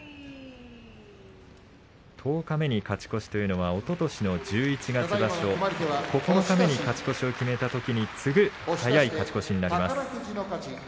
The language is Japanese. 十日目に勝ち越しというのはおととしの十一月場所九日目に勝ち越しを決めたときに次ぐ早い勝ち越しになります。